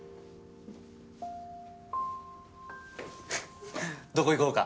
フフッどこ行こうか？